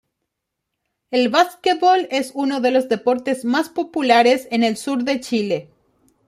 El básquetbol es uno de los deportes más populares en el sur de Chile.